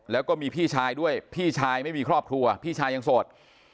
แล้วก็มีพี่ชายด้วยพี่ชายไม่มีครอบครัวพี่ชายยังโสด